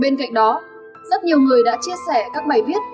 bên cạnh đó rất nhiều người đã chia sẻ các bài viết